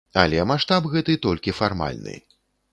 Але маштаб гэты толькі фармальны.